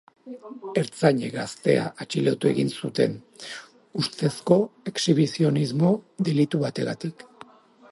Ertzainek gaztea atxilotu egin zuten, ustezko exhibizionismo delitu bategatik.